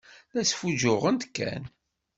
La sfuǧǧuɣent kan.